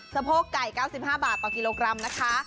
สะโพกไก่๙๕บาทต่อกิโลกรัมนะคะ